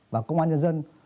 và công an nhân dân